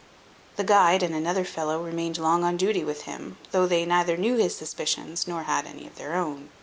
The guide and another fellow remained long on duty with him, though they neither knew his suspicions, nor had any of their own.